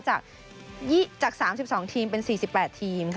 จาก๓๒ทีมเป็น๔๘ทีมค่ะ